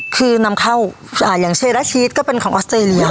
คือนำเข้าอย่างเชราชีสก็เป็นของออสเตรเลีย